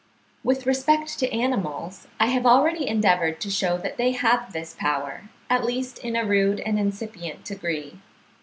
With respect to animals, I have already endeavoured to shew that they have this power, at least in a rude and incipient degree.